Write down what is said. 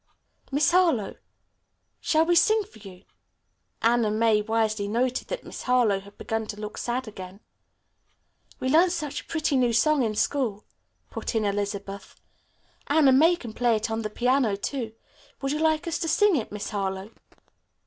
"Miss Harlowe, shall we sing for you?" Anna May wisely noted that Miss Harlowe had begun to look "sad" again. "We learned such a pretty new song in school," put in Elizabeth. "Anna May can play it on the piano, too. Would you like us to sing it, Miss Harlowe?"